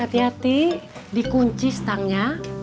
nanti dikunci setangnya